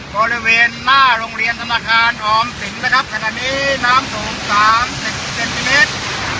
บริเวณหน้าโรงเรียนสมทานออมสิงห์นะครับถ้าในนี้น้ำสูงสามเซ็นติเมตร